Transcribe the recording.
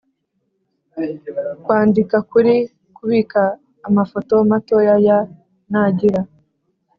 kwandika kuri, kubika amafoto mato ya. nagira